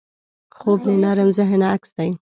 خوب د نرم ذهن عکس دی